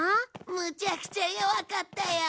むちゃくちゃ弱かったよ。